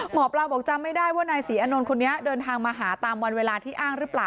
หมอปลาบอกจำไม่ได้ว่านายศรีอานนท์คนนี้เดินทางมาหาตามวันเวลาที่อ้างหรือเปล่า